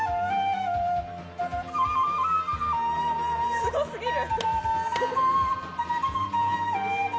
すごすぎる！